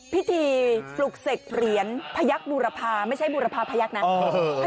ภลุกเสกเหรียญพยักษ์บูรพาไม่ใช่บูรพาพยักษ์นะ